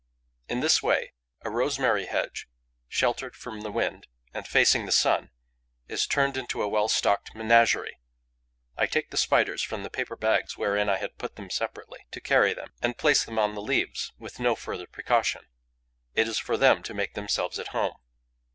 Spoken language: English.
In this way, a rosemary hedge, sheltered from the wind and facing the sun, is turned into a well stocked menagerie. I take the Spiders from the paper bags wherein I had put them separately, to carry them, and place them on the leaves, with no further precaution. It is for them to make themselves at home.